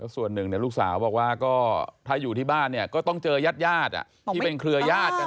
ส่วนหนึ่งลูกสาวบอกว่าถ้าอยู่ที่บ้านก็ต้องเจอยาดที่เป็นเครือยาด